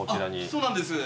そうなんです。